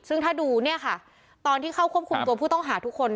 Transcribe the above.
ซึ่งถ้าดูเนี่ยค่ะตอนที่เข้าควบคุมตัวผู้ต้องหาทุกคน